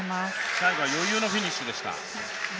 最後は余裕のフィニッシュでした。